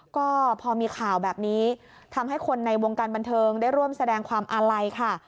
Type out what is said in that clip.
ก็พอมีข่าวแบบนี้ทำให้คนในวงการบันเทิงได้ร่วมแสดงความอาลัยค่ะ